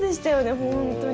本当に。